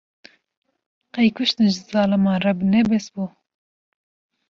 Qey kuştin, ji zaliman re ne bes bû